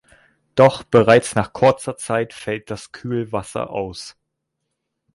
Doch bereits nach kurzer Zeit fällt das Kühlwasser aus.